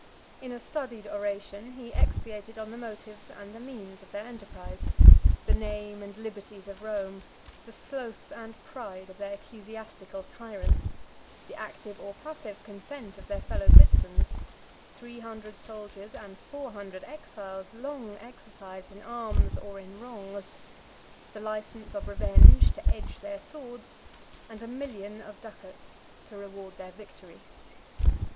In a studied oration, he expiated on the motives and the means of their enterprise; the name and liberties of Rome; the sloth and pride of their ecclesiastical tyrants; the active or passive consent of their fellow citizens; three hundred soldiers, and four hundred exiles, long exercised in arms or in wrongs; the license of revenge to edge their swords, and a million of ducats to reward their victory.